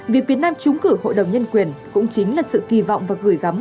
việc việt nam trúng cử hội đồng nhân quyền cũng chính là sự kỳ vọng và gửi gắm